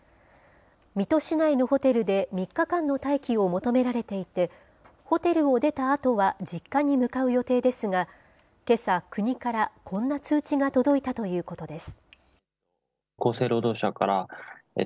水戸市内のホテルで３日間の待機を求められていて、ホテルを出たあとは実家に向かう予定ですが、けさ、国からこんな通知が届いたということです。